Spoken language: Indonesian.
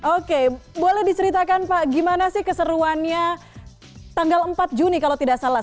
oke boleh diceritakan pak gimana sih keseruannya tanggal empat juni kalau tidak salah